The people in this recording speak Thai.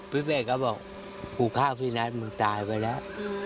แม่ก็บอกกูฆ่าพี่นัทมึงตายไปแล้ว